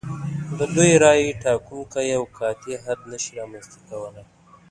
د دوی رایې ټاکونکی او قاطع حد نشي رامنځته کولای.